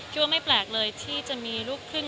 ว่าไม่แปลกเลยที่จะมีลูกครึ่ง